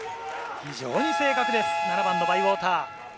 非常に正確です、７番のバイウォーター。